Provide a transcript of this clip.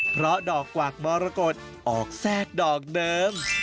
เพราะดอกกวากมรกฏออกแทรกดอกเดิม